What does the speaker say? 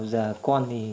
dạ con thì